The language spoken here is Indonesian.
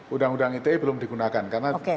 undang undang ite belum digunakan karena